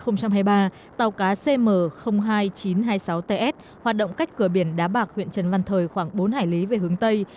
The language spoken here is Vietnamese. năm hai nghìn hai mươi ba tàu cá cm hai nghìn chín trăm hai mươi sáu ts hoạt động cách cửa biển đá bạc huyện trần văn thời khoảng bốn hải lý về hướng tây